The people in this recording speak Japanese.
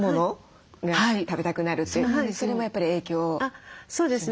それもやっぱり影響しますか？